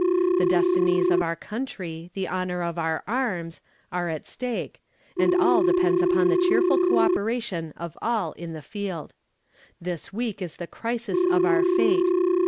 The destinies of our country, the honor of our arms, are at stake, and all depends upon the cheerful co operation of all in the field. This week is the crisis of our fate.